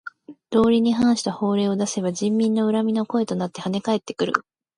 道理に反した法令を出せば人民の恨みの声となってはね返ってくる。